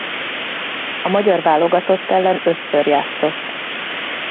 A magyar válogatott ellen ötször játszott.